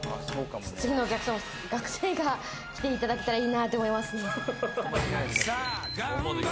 次のお客さんも学生が来ていただけたらいいなって思いますね。